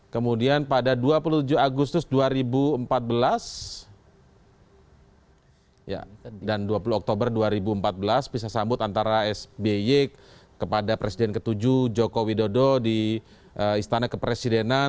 kemudian pada dua puluh tujuh agustus dua ribu empat belas dan dua puluh oktober dua ribu empat belas bisa sambut antara sby kepada presiden ke tujuh jokowi dodo di istana kepresidenan